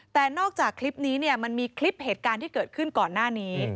แต่นอกจากคลิปนี้มันมีคลิปเหตุการณ์ที่เกิดขึ้นก่อนหน้านี้